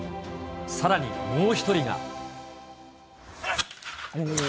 さらにもう一人が。